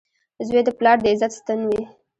• زوی د پلار د عزت ستن وي.